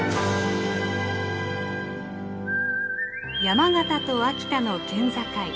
山形と秋田の県境。